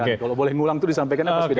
kalau boleh ngulang tuh disampaikan